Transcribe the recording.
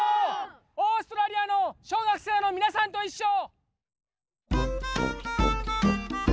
オーストラリアの小学生のみなさんといっしょ！